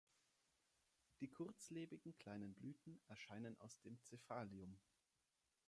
Die kurzlebigen, kleinen Blüten erscheinen aus dem Cephalium.